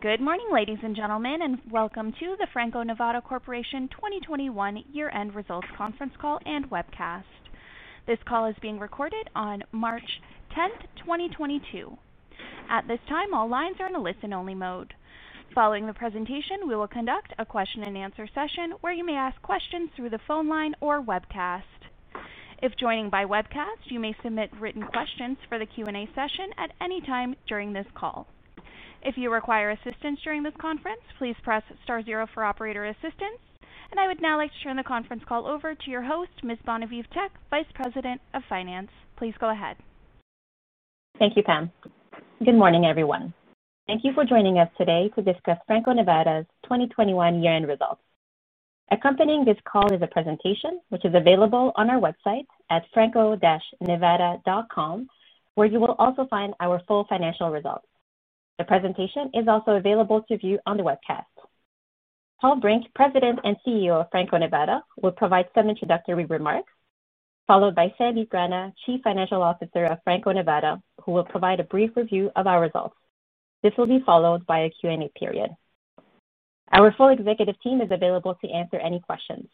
Good morning, ladies and gentlemen, and welcome to the Franco-Nevada Corporation 2021 year-end results conference call and webcast. This call is being recorded on March 10, 2022. At this time, all lines are in a listen only mode. Following the presentation, we will conduct a question and answer session where you may ask questions through the phone line or webcast. If joining by webcast, you may submit written questions for the Q&A session at any time during this call. If you require assistance during this conference, please press star zero for operator assistance. I would now like to turn the conference call over to your host, Ms. Bonavie Tek, Vice President of Finance. Please go ahead. Thank you, Pam. Good morning, everyone. Thank you for joining us today to discuss Franco-Nevada's 2021 year-end results. Accompanying this call is a presentation which is available on our website at franco-nevada.com, where you will also find our full financial results. The presentation is also available to view on the webcast. Paul Brink, President and CEO of Franco-Nevada, will provide some introductory remarks, followed by Sandip Rana, Chief Financial Officer of Franco-Nevada, who will provide a brief review of our results. This will be followed by a Q&A period. Our full executive team is available to answer any questions.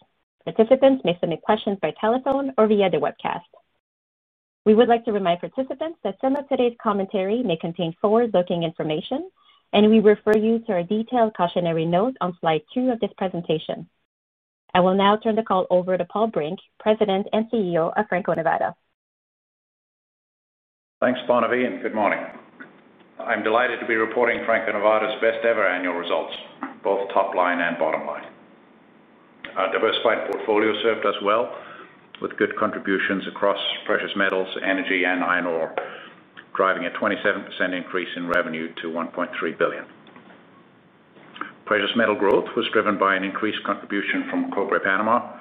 Participants may submit questions by telephone or via the webcast. We would like to remind participants that some of today's commentary may contain forward-looking information, and we refer you to our detailed cautionary note on slide 2 of this presentation. I will now turn the call over to Paul Brink, President and CEO of Franco-Nevada. Thanks, Bonavie, and good morning. I'm delighted to be reporting Franco-Nevada's best ever annual results, both top line and bottom line. Our diversified portfolio served us well with good contributions across precious metals, energy, and iron ore, driving a 27% increase in revenue to $1.3 billion. Precious metal growth was driven by an increased contribution from Cobre Panama,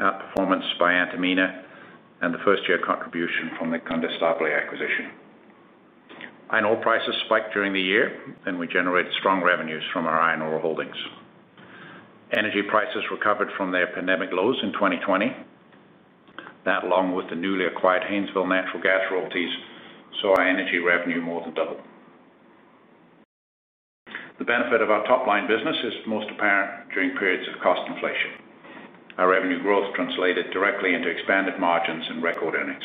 outperformance by Antamina, and the first year contribution from the Condestable acquisition. Iron ore prices spiked during the year, and we generated strong revenues from our iron ore holdings. Energy prices recovered from their pandemic lows in 2020. That, along with the newly acquired Haynesville natural gas royalties, saw our energy revenue more than double. The benefit of our top-line business is most apparent during periods of cost inflation. Our revenue growth translated directly into expanded margins and record earnings.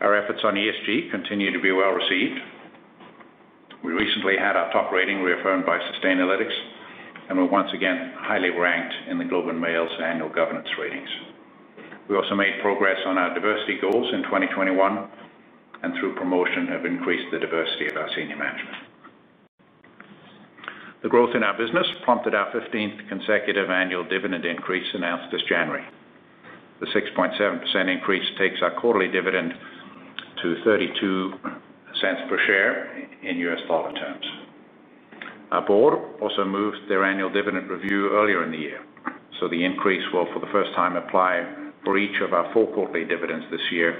Our efforts on ESG continue to be well received. We recently had our top rating reaffirmed by Sustainalytics, and we're once again highly ranked in the Globe and Mail's annual governance ratings. We also made progress on our diversity goals in 2021 and, through promotion, have increased the diversity of our senior management. The growth in our business prompted our 15th consecutive annual dividend increase announced this January. The 6.7% increase takes our quarterly dividend to $0.32 per share in US dollar terms. Our board also moved their annual dividend review earlier in the year, so the increase will for the first time apply for each of our four quarterly dividends this year,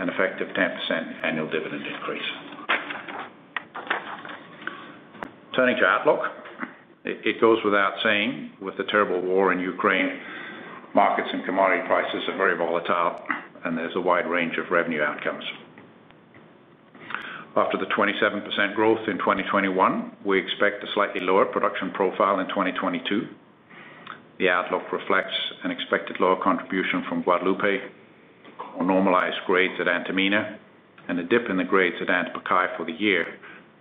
an effective 10% annual dividend increase. Turning to outlook, it goes without saying, with the terrible war in Ukraine, markets and commodity prices are very volatile and there's a wide range of revenue outcomes. After the 27% growth in 2021, we expect a slightly lower production profile in 2022. The outlook reflects an expected lower contribution from Guadalupe on normalized grades at Antamina and a dip in the grades at Antapaccay for the year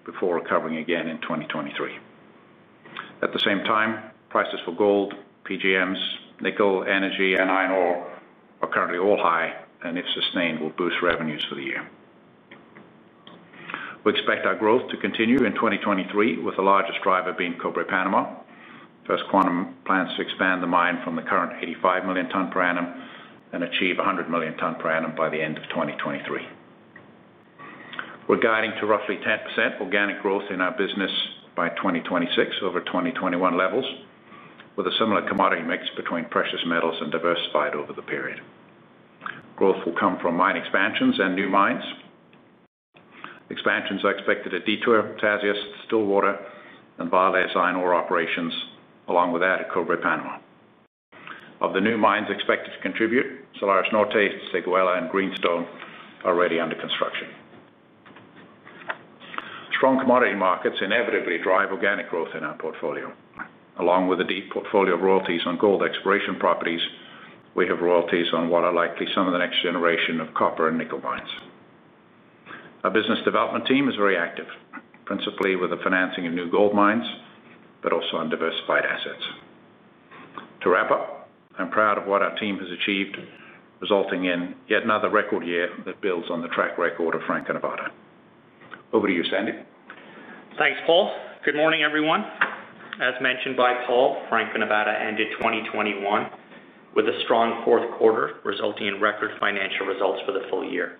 before recovering again in 2023. At the same time, prices for gold, PGMs, nickel, energy, and iron ore are currently all high and, if sustained, will boost revenues for the year. We expect our growth to continue in 2023, with the largest driver being Cobre Panama. First Quantum plans to expand the mine from the current 85 million ton per annum and achieve a 100 million ton per annum by the end of 2023. We're guiding to roughly 10% organic growth in our business by 2026 over 2021 levels, with a similar commodity mix between precious metals and diversified over the period. Growth will come from mine expansions and new mines. Expansions are expected at Detour, Tasiast, Stillwater, and Vale's iron ore operations, along with that at Cobre Panama. Of the new mines expected to contribute, Salares Norte, Séguéla, and Greenstone are already under construction. Strong commodity markets inevitably drive organic growth in our portfolio. Along with a deep portfolio of royalties on gold exploration properties, we have royalties on what are likely some of the next generation of copper and nickel mines. Our business development team is very active, principally with the financing of new gold mines, but also on diversified assets. To wrap up, I'm proud of what our team has achieved, resulting in yet another record year that builds on the track record of Franco-Nevada. Over to you, Sandip. Thanks, Paul. Good morning, everyone. As mentioned by Paul, Franco-Nevada ended 2021 with a strong fourth quarter, resulting in record financial results for the full year.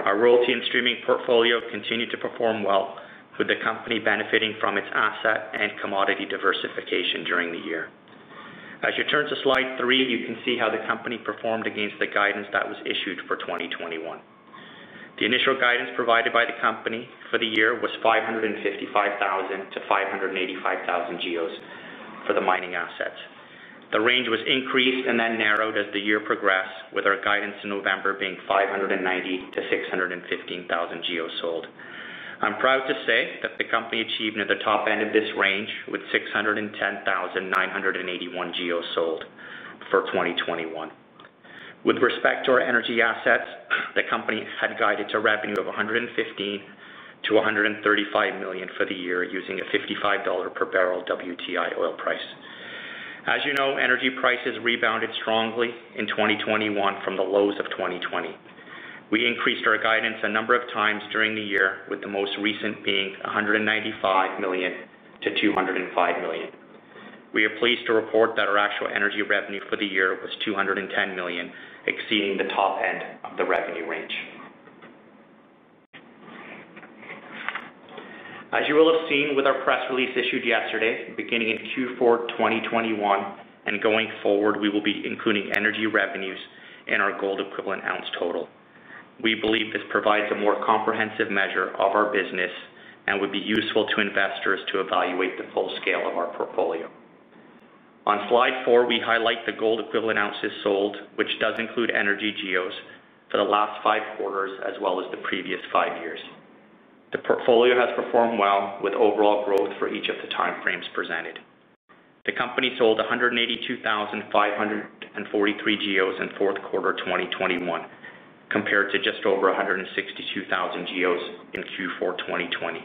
Our royalty and streaming portfolio continued to perform well, with the company benefiting from its asset and commodity diversification during the year. As you turn to slide three, you can see how the company performed against the guidance that was issued for 2021. The initial guidance provided by the company for the year was 555,000-585,000 GEOs for the mining assets. The range was increased and then narrowed as the year progressed with our guidance in November being 590,000-615,000 GEOs sold. I'm proud to say that the company achieved near the top end of this range with 610,981 GEOs sold for 2021. With respect to our energy assets, the company had guided to revenue of $115 million-$135 million for the year using a $55 per barrel WTI oil price. As you know, energy prices rebounded strongly in 2021 from the lows of 2020. We increased our guidance a number of times during the year, with the most recent being $195 million-$205 million. We are pleased to report that our actual energy revenue for the year was $210 million, exceeding the top end of the revenue range. As you will have seen with our press release issued yesterday, beginning in Q4 2021 and going forward, we will be including energy revenues in our gold equivalent ounce total. We believe this provides a more comprehensive measure of our business and would be useful to investors to evaluate the full scale of our portfolio. On slide 4, we highlight the gold equivalent ounces sold, which does include energy GEOs for the last 5 quarters as well as the previous 5 years. The portfolio has performed well with overall growth for each of the time frames presented. The company sold 182,543 GEOs in fourth quarter 2021 compared to just over 162,000 GEOs in Q4 2020.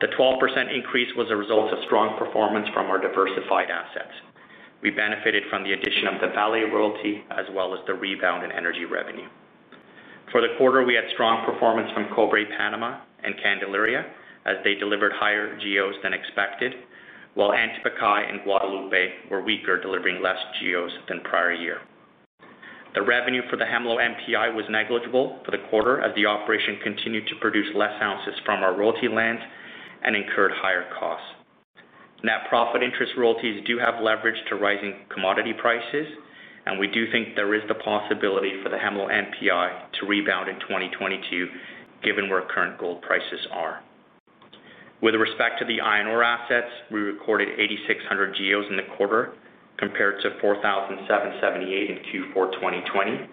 The 12% increase was a result of strong performance from our diversified assets. We benefited from the addition of the Vale Royalty, as well as the rebound in energy revenue. For the quarter, we had strong performance from Cobre Panama and Candelaria, as they delivered higher GEOs than expected, while Antamina and Guadalupe were weaker, delivering less GEOs than prior year. The revenue for the Hemlo NPI was negligible for the quarter as the operation continued to produce less ounces from our royalty lands and incurred higher costs. Net profit interest royalties do have leverage to rising commodity prices, and we do think there is the possibility for the Hemlo NPI to rebound in 2022, given where current gold prices are. With respect to the iron ore assets, we recorded 8,600 GEOs in the quarter, compared to 4,778 in Q4 2020.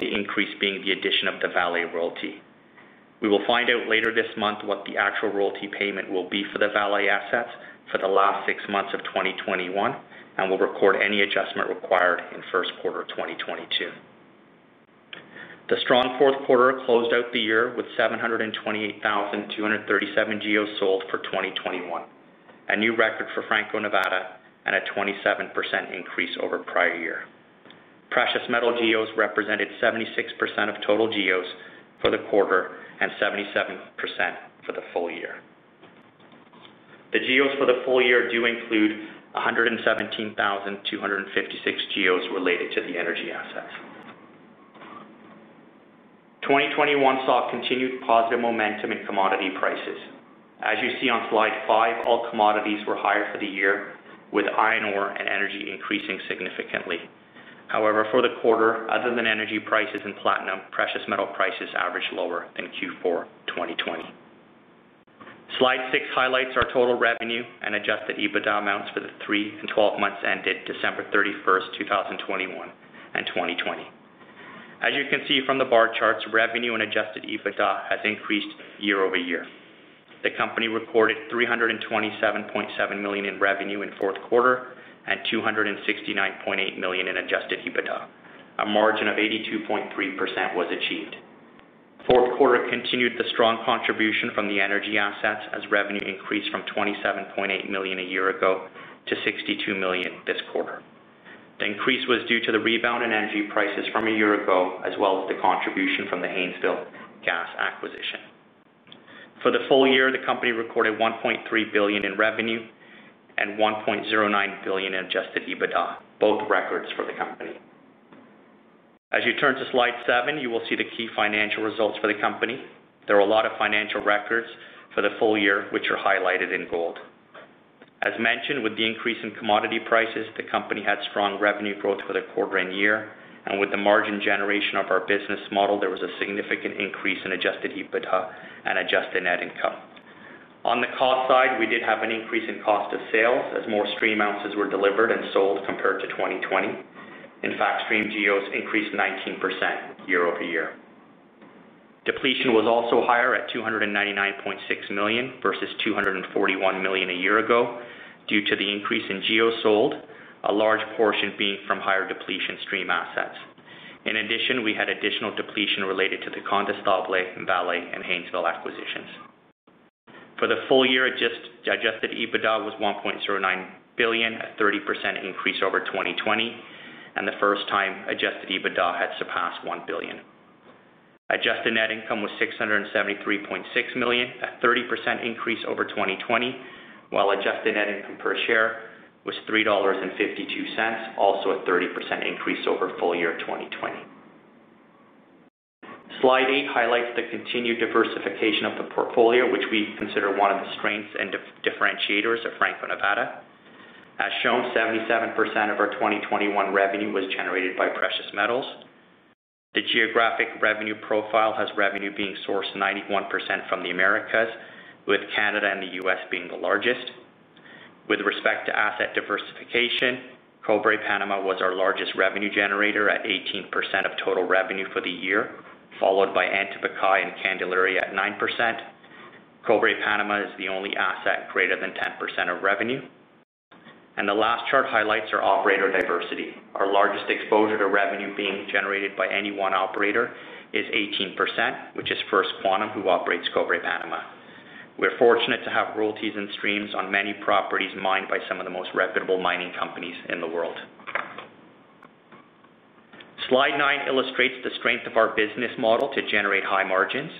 The increase being the addition of the Vale Royalty. We will find out later this month what the actual royalty payment will be for the Vale assets for the last six months of 2021, and we'll record any adjustment required in first quarter of 2022. The strong fourth quarter closed out the year with 728,237 GEOs sold for 2021. A new record for Franco-Nevada and a 27% increase over prior year. Precious metal GEOs represented 76% of total GEOs for the quarter and 77% for the full year. The GEOs for the full year do include 117,256 GEOs related to the energy assets. 2021 saw continued positive momentum in commodity prices. As you see on slide 5, all commodities were higher for the year, with iron ore and energy increasing significantly. However, for the quarter, other than energy prices and platinum, precious metal prices averaged lower than Q4 2020. Slide 6 highlights our total revenue and Adjusted EBITDA amounts for the 3 and 12 months ended December 31st, 2021 and 2020. As you can see from the bar charts, revenue and Adjusted EBITDA has increased year-over-year. The company recorded $327.7 million in revenue in fourth quarter and $269.8 million in Adjusted EBITDA. A margin of 82.3% was achieved. Fourth quarter continued the strong contribution from the energy assets as revenue increased from $27.8 million a year ago to $62 million this quarter. The increase was due to the rebound in energy prices from a year ago, as well as the contribution from the Haynesville gas acquisition. For the full year, the company recorded $1.3 billion in revenue and $1.09 billion in Adjusted EBITDA, both records for the company. As you turn to slide 7, you will see the key financial results for the company. There are a lot of financial records for the full year which are highlighted in gold. As mentioned, with the increase in commodity prices, the company had strong revenue growth for the quarter and year, and with the margin generation of our business model, there was a significant increase in Adjusted EBITDA and adjusted net income. On the cost side, we did have an increase in cost of sales as more stream ounces were delivered and sold compared to 2020. In fact, stream GEOs increased 19% year-over-year. Depletion was also higher at $299.6 million versus $241 million a year ago due to the increase in GEOs sold, a large portion being from higher depletion stream assets. In addition, we had additional depletion related to the Condestable, Vale, and Haynesville acquisitions. For the full year, Adjusted EBITDA was $1.09 billion, a 30% increase over 2020, and the first time Adjusted EBITDA had surpassed $1 billion. Adjusted net income was $673.6 million, a 30% increase over 2020, while adjusted net income per share was $3.52, also a 30% increase over full year 2020. Slide 8 highlights the continued diversification of the portfolio, which we consider one of the strengths and differentiators of Franco-Nevada. As shown, 77% of our 2021 revenue was generated by precious metals. The geographic revenue profile has revenue being sourced 91% from the Americas, with Canada and the U.S. being the largest. With respect to asset diversification, Cobre Panama was our largest revenue generator at 18% of total revenue for the year, followed by Antamina and Candelaria at 9%. Cobre Panama is the only asset greater than 10% of revenue. The last chart highlights our operator diversity. Our largest exposure to revenue being generated by any one operator is 18%, which is First Quantum, who operates Cobre Panama. We're fortunate to have royalties and streams on many properties mined by some of the most reputable mining companies in the world. Slide nine illustrates the strength of our business model to generate high margins.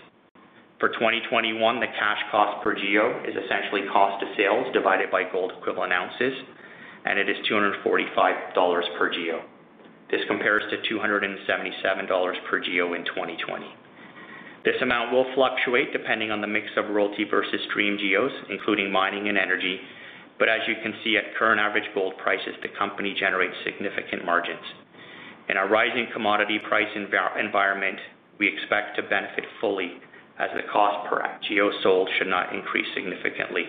For 2021, the cash cost per GEO is essentially cost of sales divided by gold equivalent ounces, and it is $245 per GEO. This compares to $277 per GEO in 2020. This amount will fluctuate depending on the mix of royalty versus stream GEOs, including mining and energy. As you can see, at current average gold prices, the company generates significant margins. In a rising commodity price environment, we expect to benefit fully as the cost per GEO sold should not increase significantly.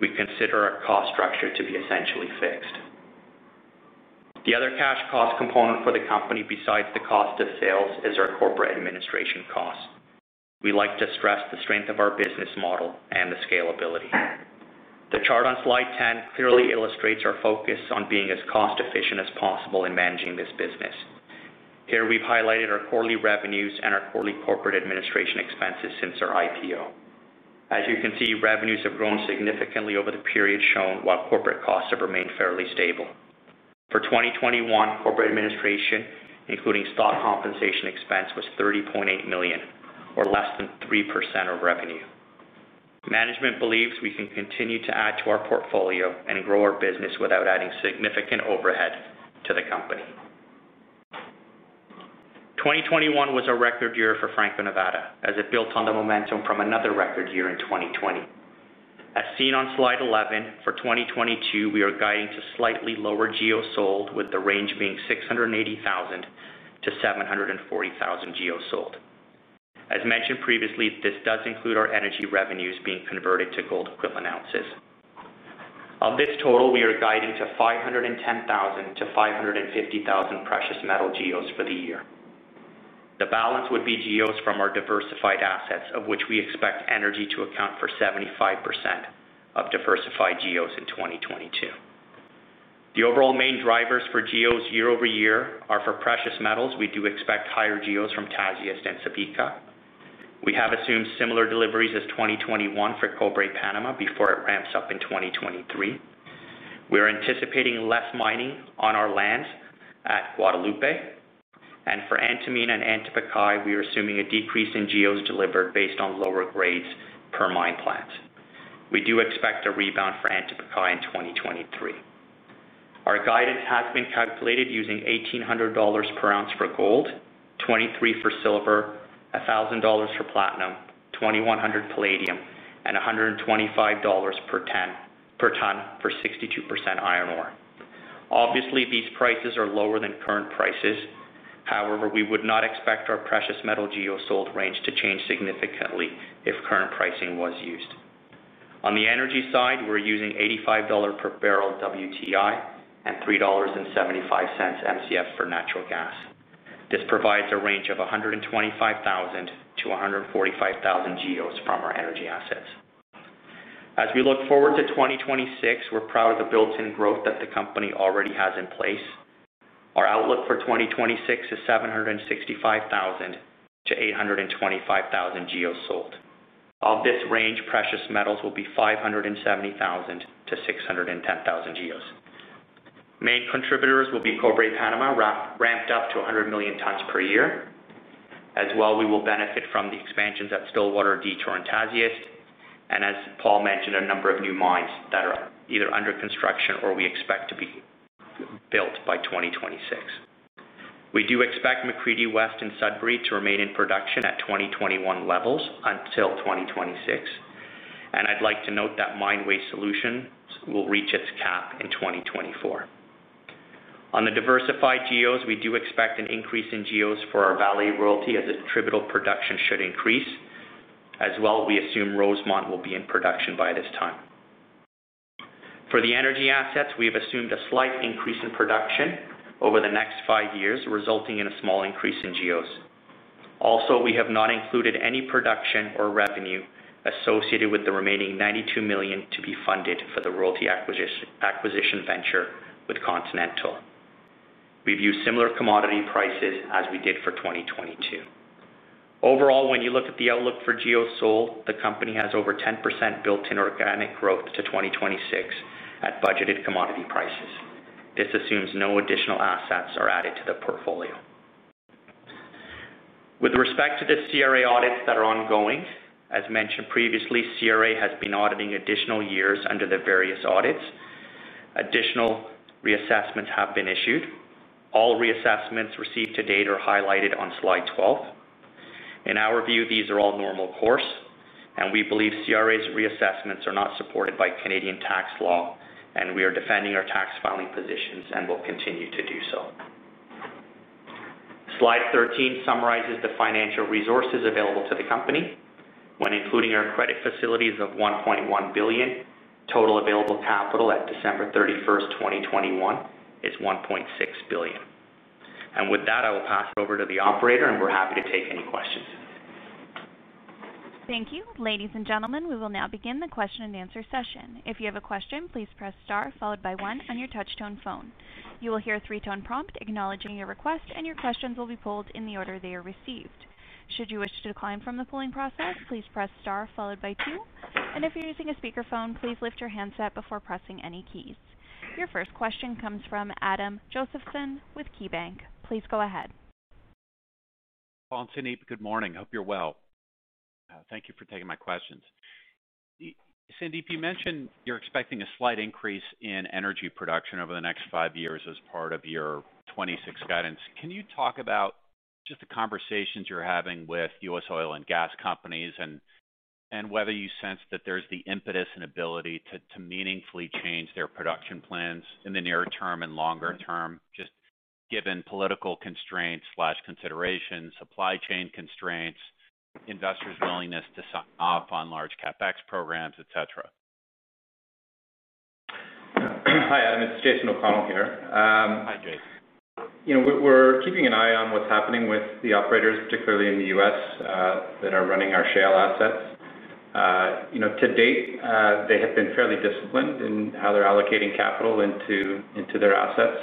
We consider our cost structure to be essentially fixed. The other cash cost component for the company, besides the cost of sales, is our corporate administration cost. We like to stress the strength of our business model and the scalability. The chart on slide 10 clearly illustrates our focus on being as cost-efficient as possible in managing this business. Here we've highlighted our quarterly revenues and our quarterly corporate administration expenses since our IPO. As you can see, revenues have grown significantly over the period shown, while corporate costs have remained fairly stable. For 2021, corporate administration, including stock compensation expense, was $30.8 million, or less than 3% of revenue. Management believes we can continue to add to our portfolio and grow our business without adding significant overhead to the company. 2021 was a record year for Franco-Nevada, as it built on the momentum from another record year in 2020. As seen on slide 11, for 2022, we are guiding to slightly lower GEOs sold, with the range being 680,000-740,000 GEOs sold. As mentioned previously, this does include our energy revenues being converted to gold equivalent ounces. Of this total, we are guiding to 510,000-550,000 precious metal GEOs for the year. The balance would be GEOs from our diversified assets, of which we expect energy to account for 75% of diversified GEOs in 2022. The overall main drivers for GEOs year-over-year are for precious metals. We do expect higher GEOs from Tasiast and Subika. We have assumed similar deliveries as 2021 for Cobre Panama before it ramps up in 2023. We are anticipating less mining on our lands at Guadalupe. For Antamina and Antapaccay, we are assuming a decrease in GEOs delivered based on lower grades per mine plant. We do expect a rebound for Antapaccay in 2023. Our guidance has been calculated using $1,800 per ounce for gold, $23 for silver, $1,000 for platinum, $2,100 palladium, and $125 per ton for 62% iron ore. Obviously, these prices are lower than current prices. However, we would not expect our precious metal GEO sold range to change significantly if current pricing was used. On the energy side, we're using $85 per barrel WTI and $3.75 Mcf for natural gas. This provides a range of 125,000-145,000 GEOs from our energy assets. As we look forward to 2026, we're proud of the built-in growth that the company already has in place. Our outlook for 2026 is 765,000-825,000 GEOs sold. Of this range, precious metals will be 570,000-610,000 GEOs. Main contributors will be Cobre Panama ramped up to 100 million tons per year. We will benefit from the expansions at Stillwater, Detour, and Tasiast. As Paul mentioned, a number of new mines that are either under construction or we expect to be built by 2026. We do expect McCreedy West and Sudbury to remain in production at 2021 levels until 2026. I'd like to note that Mine Waste Solutions will reach its cap in 2024. On the diversified geos, we do expect an increase in geos for our Vale royalty as attributable production should increase. As well, we assume Rosemont will be in production by this time. For the energy assets, we have assumed a slight increase in production over the next five years, resulting in a small increase in geos. Also, we have not included any production or revenue associated with the remaining $92 million to be funded for the royalty acquisition venture with Continental. We've used similar commodity prices as we did for 2022. Overall, when you look at the outlook for GEOs sold, the company has over 10% built-in organic growth to 2026 at budgeted commodity prices. This assumes no additional assets are added to the portfolio. With respect to the CRA audits that are ongoing, as mentioned previously, CRA has been auditing additional years under the various audits. Additional reassessments have been issued. All reassessments received to date are highlighted on slide 12. In our view, these are all normal course, and we believe CRA's reassessments are not supported by Canadian tax law, and we are defending our tax filing positions and will continue to do so. Slide 13 summarizes the financial resources available to the company. When including our credit facilities of $1.1 billion, total available capital at December 31st, 2021 is $1.6 billion. With that, I will pass it over to the operator, and we're happy to take any questions. Thank you. Ladies and gentlemen, we will now begin the question-and-answer session. If you have a question, please press star followed by one on your touch-tone phone. You will hear a three-tone prompt acknowledging your request, and your questions will be pulled in the order they are received. Should you wish to decline from the polling process, please press star followed by two. If you're using a speakerphone, please lift your handset before pressing any keys. Your first question comes from Adam Josephson with KeyBanc. Please go ahead. Paul and Sandip, good morning. Hope you're well. Thank you for taking my questions. Sandip, you mentioned you're expecting a slight increase in energy production over the next 5 years as part of your 2026 guidance. Can you talk about just the conversations you're having with U.S. oil and gas companies and whether you sense that there's the impetus and ability to meaningfully change their production plans in the near term and longer term, just given political constraints, considerations, supply chain constraints, investors' willingness to sign off on large CapEx programs, et cetera. Hi, Adam. It's Jason O'Connell here. Hi, Jason. You know, we're keeping an eye on what's happening with the operators, particularly in the U.S., that are running our shale assets. You know, to date, they have been fairly disciplined in how they're allocating capital into their assets.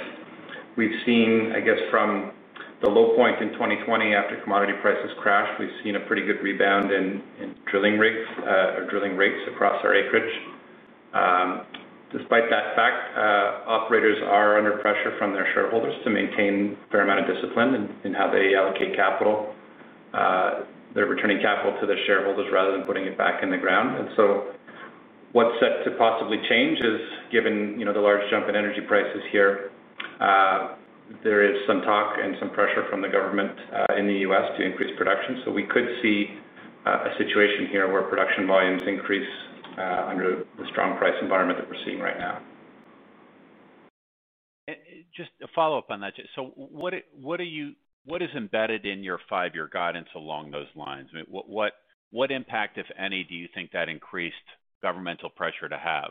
We've seen, I guess, from the low point in 2020 after commodity prices crashed, a pretty good rebound in drilling rigs or drilling rates across our acreage. Despite that fact, operators are under pressure from their shareholders to maintain a fair amount of discipline in how they allocate capital. They're returning capital to their shareholders rather than putting it back in the ground. What's set to possibly change is, given you know, the large jump in energy prices here, there is some talk and some pressure from the government, in the U.S. to increase production. We could see a situation here where production volumes increase under the strong price environment that we're seeing right now. Just to follow up on that. What is embedded in your five-year guidance along those lines? I mean, what impact, if any, do you think that increased governmental pressure to have?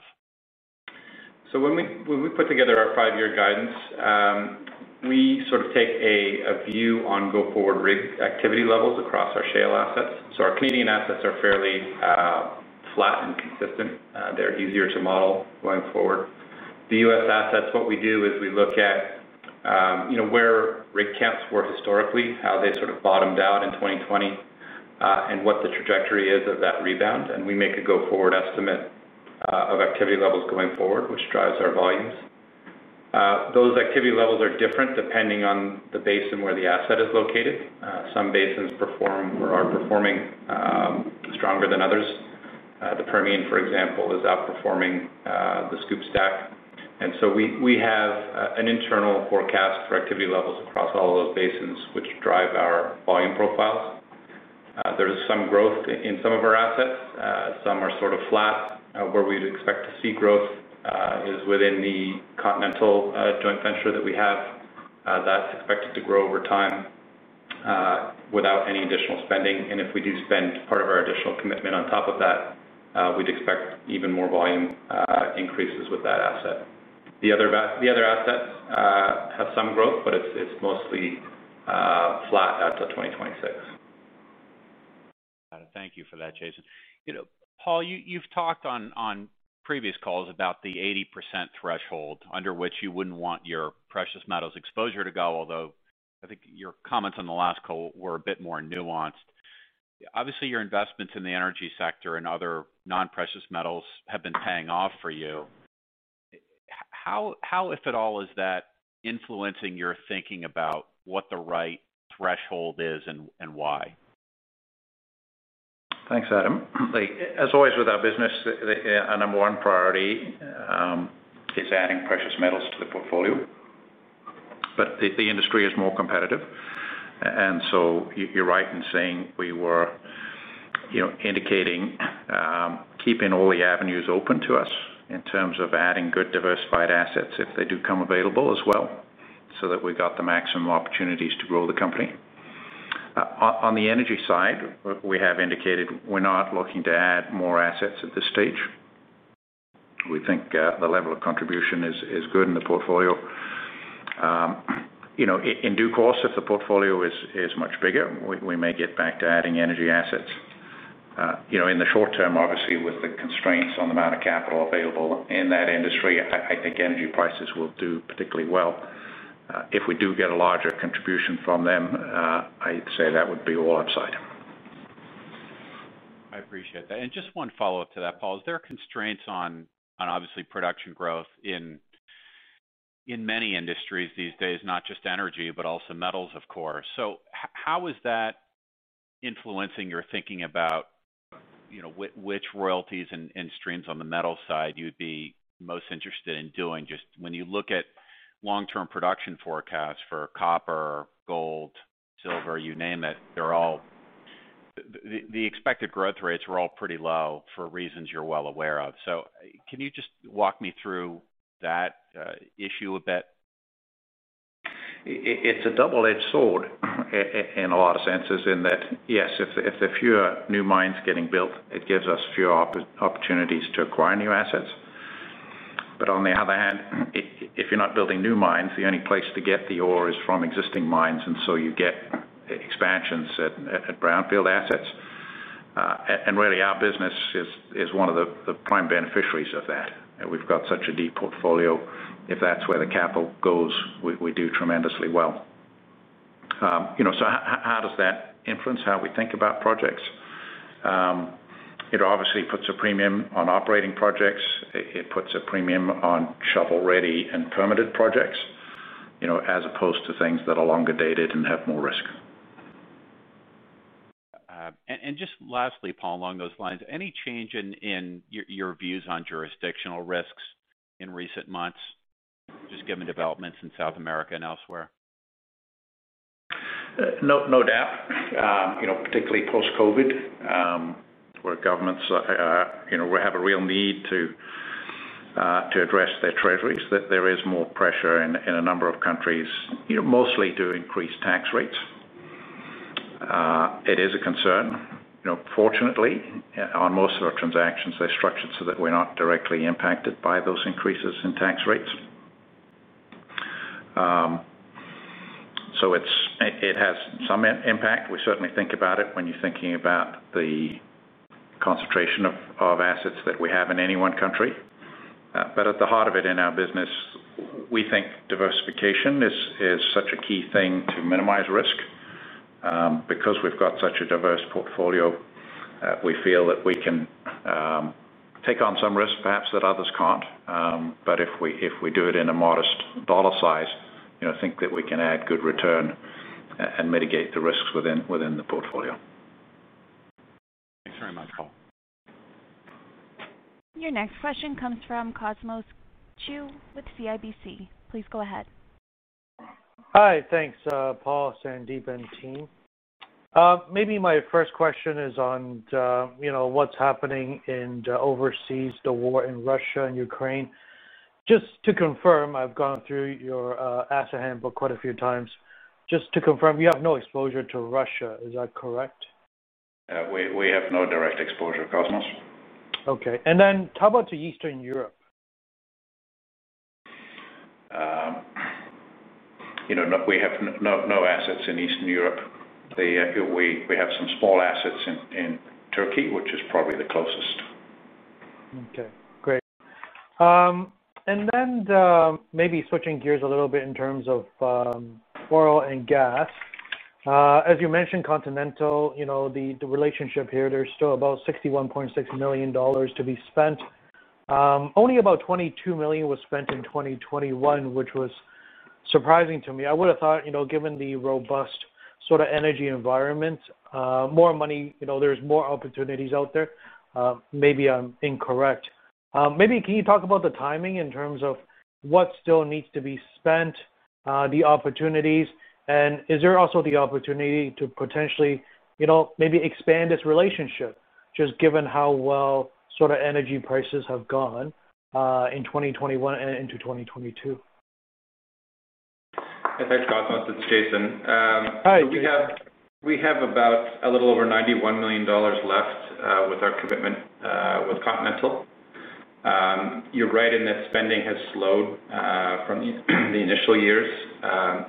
When we put together our five-year guidance, we sort of take a view on go forward rig activity levels across our shale assets. Our Canadian assets are fairly flat and consistent. They're easier to model going forward. The U.S. assets, what we do is we look at where rig counts were historically, how they sort of bottomed out in 2020, and what the trajectory is of that rebound. We make a go forward estimate of activity levels going forward, which drives our volumes. Those activity levels are different depending on the basin where the asset is located. Some basins perform or are performing stronger than others. The Permian, for example, is outperforming the SCOOP/STACK. We have an internal forecast for activity levels across all those basins which drive our volume profiles. There is some growth in some of our assets. Some are sort of flat. Where we'd expect to see growth is within the Continental joint venture that we have. That's expected to grow over time without any additional spending. If we do spend part of our additional commitment on top of that, we'd expect even more volume increases with that asset. The other assets have some growth, but it's mostly flat out to 2026. Thank you for that, Jason. You know, Paul, you've talked on previous calls about the 80% threshold under which you wouldn't want your precious metals exposure to go, although I think your comments on the last call were a bit more nuanced. Obviously, your investments in the energy sector and other non-precious metals have been paying off for you. How, if at all, is that influencing your thinking about what the right threshold is and why? Thanks, Adam. As always with our business, our number one priority is adding precious metals to the portfolio. The industry is more competitive. You’re right in saying we were, you know, indicating keeping all the avenues open to us in terms of adding good diversified assets if they do come available as well, so that we got the maximum opportunities to grow the company. On the energy side, we have indicated we're not looking to add more assets at this stage. We think the level of contribution is good in the portfolio. You know, in due course, if the portfolio is much bigger, we may get back to adding energy assets. You know, in the short term, obviously, with the constraints on the amount of capital available in that industry, I think energy prices will do particularly well. If we do get a larger contribution from them, I'd say that would be all upside. I appreciate that. Just one follow-up to that, Paul. Is there constraints on obviously production growth in many industries these days, not just energy, but also metals, of course. How is that influencing your thinking about. You know, which royalties and streams on the metal side you'd be most interested in doing? Just when you look at long-term production forecasts for copper, gold, silver, you name it, they're all. The expected growth rates are all pretty low for reasons you're well aware of. Can you just walk me through that issue a bit? It's a double-edged sword in a lot of senses in that, yes, if there are fewer new mines getting built, it gives us fewer opportunities to acquire new assets. On the other hand, if you're not building new mines, the only place to get the ore is from existing mines, and so you get expansions at brownfield assets. Really our business is one of the prime beneficiaries of that. We've got such a deep portfolio. If that's where the capital goes, we do tremendously well. You know, how does that influence how we think about projects? It obviously puts a premium on operating projects. It puts a premium on shovel-ready and permitted projects, you know, as opposed to things that are longer dated and have more risk. Just lastly, Paul, along those lines, any change in your views on jurisdictional risks in recent months, just given developments in South America and elsewhere? No doubt. You know, particularly post-COVID, where governments, you know, have a real need to address their treasuries, that there is more pressure in a number of countries, you know, mostly to increase tax rates. It is a concern. You know, fortunately, on most of our transactions, they're structured so that we're not directly impacted by those increases in tax rates. So it has some impact. We certainly think about it when you're thinking about the concentration of assets that we have in any one country. But at the heart of it in our business, we think diversification is such a key thing to minimize risk. Because we've got such a diverse portfolio, we feel that we can take on some risk perhaps that others can't. If we do it in a modest dollar size, you know, I think that we can add good return and mitigate the risks within the portfolio. Thanks very much, Paul. Your next question comes from Cosmos Chiu with CIBC. Please go ahead. Hi. Thanks, Paul, Sandip, and team. Maybe my first question is on what's happening overseas, the war in Russia and Ukraine. Just to confirm, I've gone through your asset handbook quite a few times. Just to confirm, you have no exposure to Russia. Is that correct? Yeah. We have no direct exposure, Cosmos. Okay. How about to Eastern Europe? You know, we have no assets in Eastern Europe. We have some small assets in Turkey, which is probably the closest. Okay, great. And then, maybe switching gears a little bit in terms of, oil and gas. As you mentioned, Continental, you know, the relationship here, there's still about $61.6 million to be spent. Only about $22 million was spent in 2021, which was surprising to me. I would have thought, you know, given the robust sort of energy environment, more money, you know, there's more opportunities out there. Maybe I'm incorrect. Maybe can you talk about the timing in terms of what still needs to be spent, the opportunities, and is there also the opportunity to potentially, you know, maybe expand this relationship, just given how well sort of energy prices have gone, in 2021 and into 2022? Thanks, Cosmos. It's Jason. Hi. We have about a little over $91 million left with our commitment with Continental. You're right in that spending has slowed from the initial years.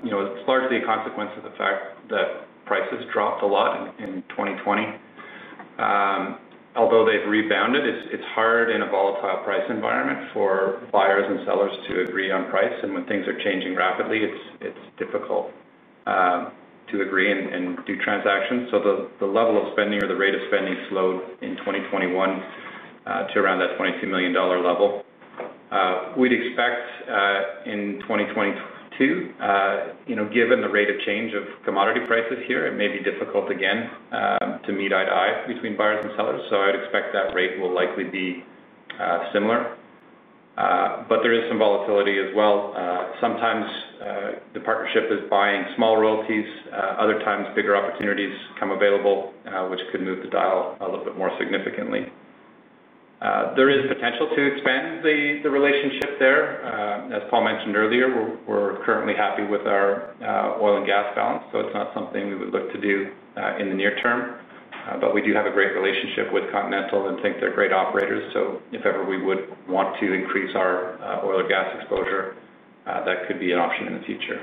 You know, it's largely a consequence of the fact that prices dropped a lot in 2020. Although they've rebounded, it's hard in a volatile price environment for buyers and sellers to agree on price. When things are changing rapidly, it's difficult to agree and do transactions. The level of spending or the rate of spending slowed in 2021 to around that $22 million level. We'd expect in 2022, you know, given the rate of change of commodity prices here, it may be difficult again to meet eye to eye between buyers and sellers. I'd expect that rate will likely be similar. There is some volatility as well. Sometimes the partnership is buying small royalties, other times, bigger opportunities come available, which could move the dial a little bit more significantly. There is potential to expand the relationship there. As Paul mentioned earlier, we're currently happy with our oil and gas balance, so it's not something we would look to do in the near term. We do have a great relationship with Continental and think they're great operators. If ever we would want to increase our oil or gas exposure, that could be an option in the future.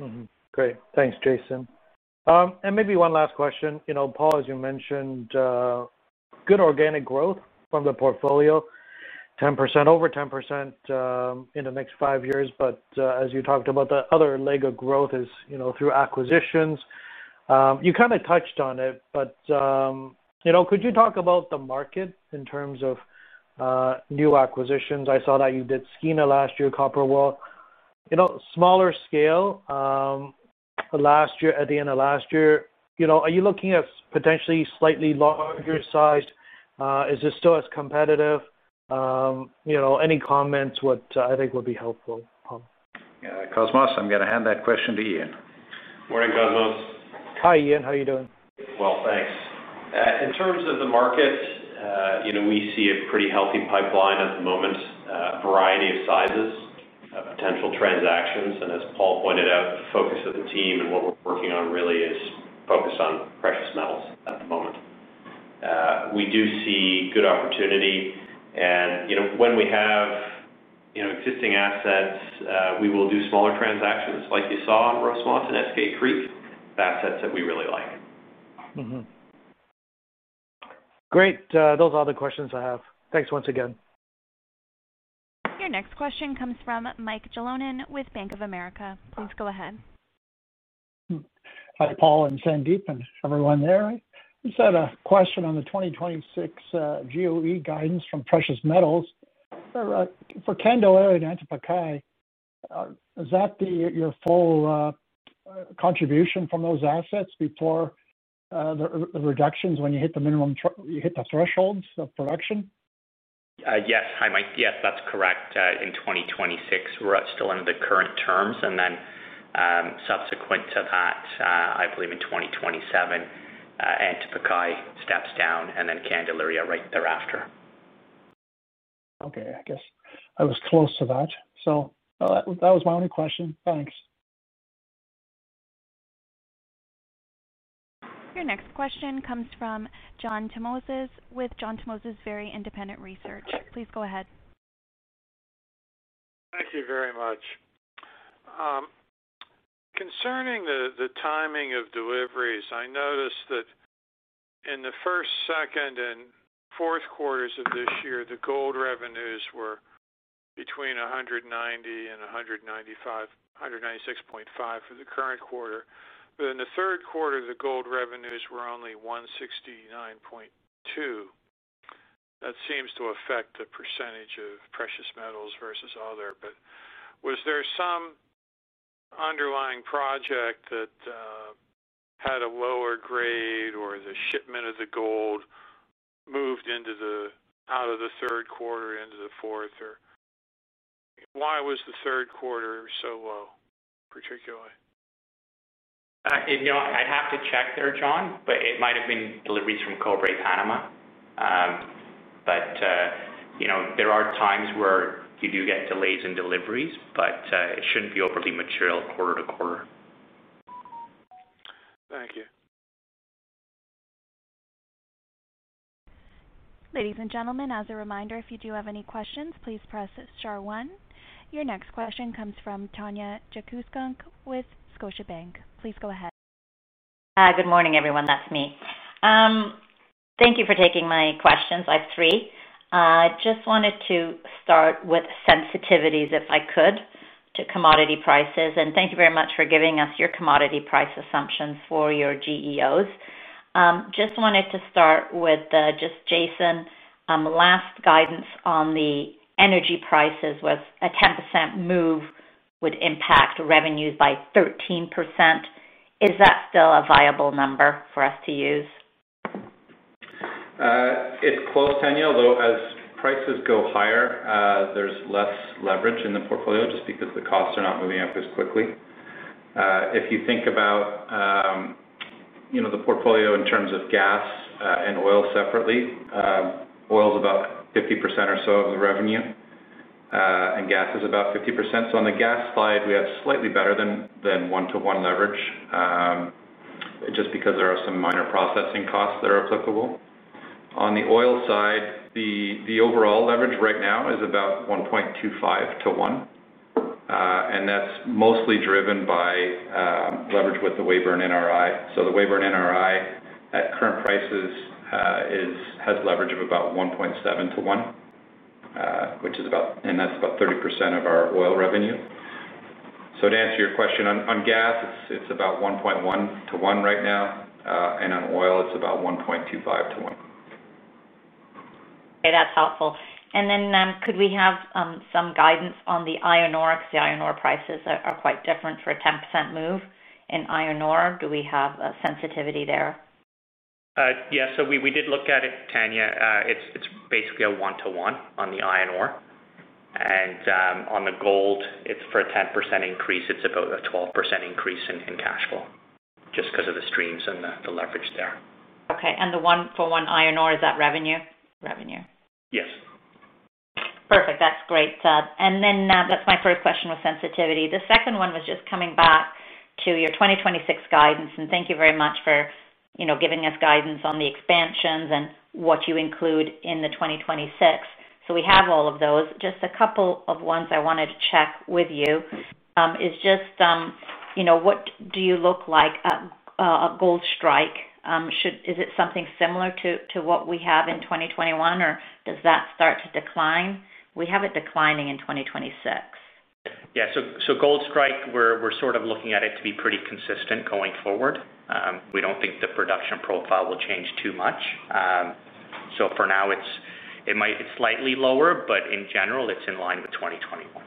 Mm-hmm. Great. Thanks, Jason. Maybe one last question. You know, Paul, as you mentioned, good organic growth from the portfolio, 10%, over 10%, in the next five years. As you talked about, the other leg of growth is, you know, through acquisitions. You kind of touched on it, but, you know, could you talk about the market in terms of, new acquisitions? I saw that you did Skeena last year, Copper World. You know, smaller scale, last year, at the end of last year, you know, are you looking at potentially slightly larger size? Is it still as competitive? You know, any comments, what, I think would be helpful, Paul. Yeah, Cosmos, I'm gonna hand that question to Ian. Morning, Cosmos. Hi, Ian. How are you doing? Well, thanks. In terms of the market, you know, we see a pretty healthy pipeline at the moment, a variety of sizes of potential transactions. As Paul pointed out, the focus of the team and what we're working on really is focused on precious metals at the moment. We do see good opportunity. You know, when we have, you know, existing assets, we will do smaller transactions like you saw in Rosemont and Eskay Creek, assets that we really like. Mm-hmm. Great. Those are all the questions I have. Thanks once again. Your next question comes from Michael Jalonen with Bank of America. Please go ahead. Hi, Paul and Sandip and everyone there. Just had a question on the 2026 GEO guidance from Precious Metals. For Candelaria and Antapaccay, is that your full contribution from those assets before the reductions when you hit the thresholds of production? Yes. Hi, Mike. Yes, that's correct. In 2026, we're still under the current terms. Subsequent to that, I believe in 2027, Antamina steps down and then Candelaria right thereafter. Okay. I guess I was close to that. That was my only question. Thanks. Your next question comes from John Tumazos with Very Independent Research. Please go ahead. Thank you very much. Concerning the timing of deliveries, I noticed that in the first, second, and fourth quarters of this year, the gold revenues were between $190 and $195, $196.5 for the current quarter. In the third quarter, the gold revenues were only $169.2. That seems to affect the percentage of precious metals versus other. Was there some underlying project that had a lower grade, or the shipment of the gold moved out of the third quarter into the fourth? Or why was the third quarter so low, particularly? You know, I'd have to check there, John, but it might have been deliveries from Cobre Panama. You know, there are times where you do get delays in deliveries, but it shouldn't be overly material quarter to quarter. Thank you. Ladies and gentlemen, as a reminder, if you do have any questions, please press star one. Your next question comes from Tanya Jakusconek with Scotiabank. Please go ahead. Good morning, everyone. That's me. Thank you for taking my questions. I have three. Just wanted to start with sensitivities, if I could, to commodity prices. Thank you very much for giving us your commodity price assumptions for your GEOs. Just wanted to start with just Jason. Last guidance on the energy prices was a 10% move would impact revenues by 13%. Is that still a viable number for us to use? It's close, Tanya, although as prices go higher, there's less leverage in the portfolio just because the costs are not moving up as quickly. If you think about, you know, the portfolio in terms of gas and oil separately, oil is about 50% or so of the revenue, and gas is about 50%. On the gas side, we have slightly better than one-to-one leverage, just because there are some minor processing costs that are applicable. On the oil side, the overall leverage right now is about 1.25 to 1, and that's mostly driven by leverage with the Weyburn NRI. The Weyburn NRI at current prices has leverage of about 1.7 to 1, which is about, and that's about 30% of our oil revenue. To answer your question, on gas, it's about 1.1-1 right now. On oil, it's about 1.25-1. Okay, that's helpful. Could we have some guidance on the iron ore? Because the iron ore prices are quite different for a 10% move in iron ore. Do we have a sensitivity there? Yeah. We did look at it, Tanya. It's basically a one-to-one on the iron ore. On the gold, it's for a 10% increase, it's about a 12% increase in cash flow just 'cause of the streams and the leverage there. Okay. The one-for-one iron ore, is that revenue? Revenue. Yes. Perfect. That's great. That's my first question with sensitivity. The second one was just coming back to your 2026 guidance, and thank you very much for, you know, giving us guidance on the expansions and what you include in the 2026. We have all of those. Just a couple of ones I wanted to check with you, is just, you know, what do you look like at a Gold Strike? Is it something similar to what we have in 2021, or does that start to decline? We have it declining in 2026. Yeah. Gold Strike, we're sort of looking at it to be pretty consistent going forward. We don't think the production profile will change too much. For now it might be slightly lower, but in general, it's in line with 2021.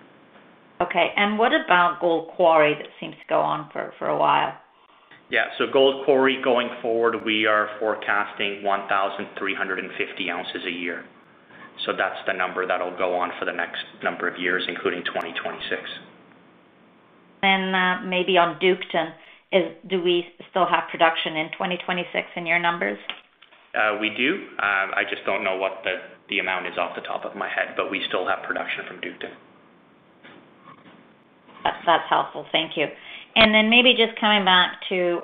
Okay. What about Gold Quarry that seems to go on for a while? Gold Quarry going forward, we are forecasting 1,350 ounces a year. That's the number that'll go on for the next number of years, including 2026. Maybe on Duketon, do we still have production in 2026 in your numbers? We do. I just don't know what the amount is off the top of my head, but we still have production from Duketon. That's helpful. Thank you. Maybe just coming back to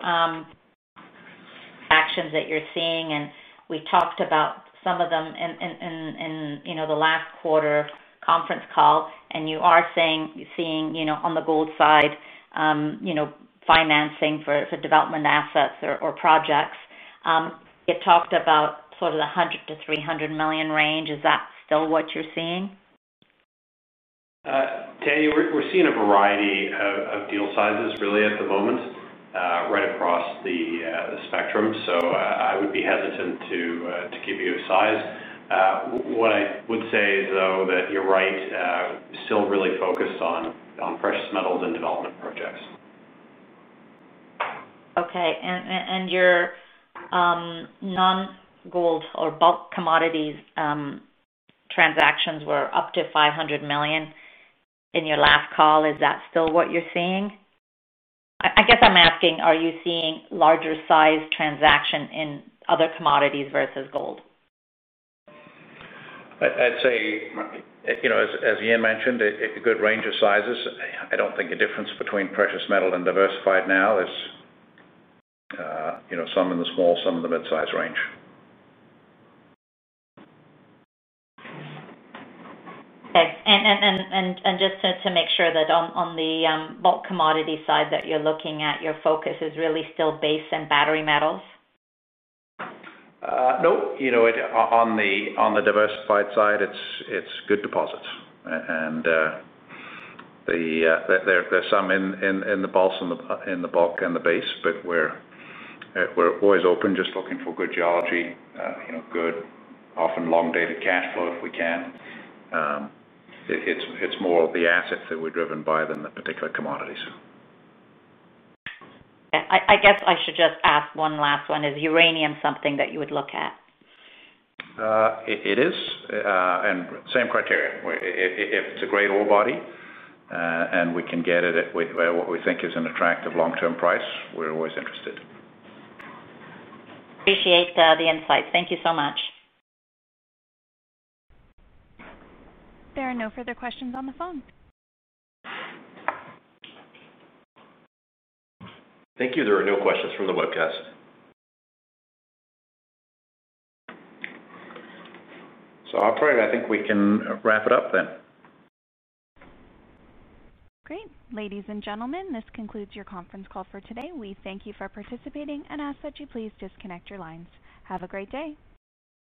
actions that you're seeing, and we talked about some of them in the last quarter conference call, and you are saying you're seeing, you know, on the gold side, you know, financing for development assets or projects. You talked about sort of the $100 million-$300 million range. Is that still what you're seeing? Tanya, we're seeing a variety of deal sizes really at the moment, right across the spectrum. I would be hesitant to give you a size. What I would say, though, is that you're right, still really focused on precious metals and development projects. Your non-gold or bulk commodities transactions were up to $500 million in your last call. Is that still what you're seeing? I guess I'm asking, are you seeing larger sized transaction in other commodities versus gold? I'd say, you know, as Ian mentioned, a good range of sizes. I don't think a difference between precious metal and diversified now is, you know, some in the small, some in the mid-size range. Okay. Just to make sure that on the bulk commodity side that you're looking at, your focus is really still base and battery metals. No. You know, on the diversified side, it's good deposits. There's some in the bulk and the base, but we're always open just looking for good geology, you know, good, often long-dated cash flow if we can. It's more the assets that we're driven by than the particular commodities. Yeah. I guess I should just ask one last one. Is uranium something that you would look at? It is. Same criteria, if it's a great ore body, and we can get it at what we think is an attractive long-term price, we're always interested. Appreciate the insight. Thank you so much. There are no further questions on the phone. Thank you. There are no questions from the webcast. Operator, I think we can wrap it up then. Great. Ladies and gentlemen, this concludes your conference call for today. We thank you for participating and ask that you please disconnect your lines. Have a great day.